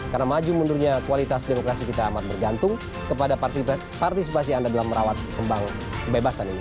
karena maju mundurnya kualitas demokrasi kita amat bergantung kepada partisipasi anda dalam merawat kembang kebebasan ini